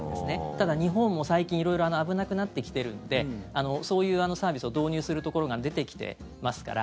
ただ、日本も最近色々危なくなってきてるんでそういうサービスを導入するところが出てきてますから。